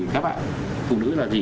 các bạn phụ nữ là gì